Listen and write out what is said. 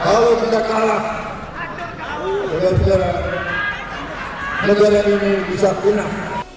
kalau kita kalah negara ini bisa bunuh